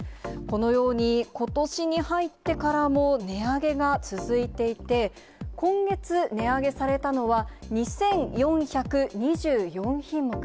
このように、ことしに入ってからも、値上げが続いていて、今月値上げされたのは、２４２４品目。